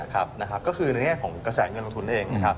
ใช่คือในแง่ของกระแสเงินลงทุนเอง